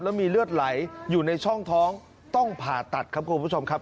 แล้วมีเลือดไหลอยู่ในช่องท้องต้องผ่าตัดครับคุณผู้ชมครับ